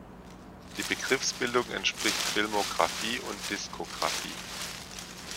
Die Begriffsbildung entspricht Filmografie und Diskografie.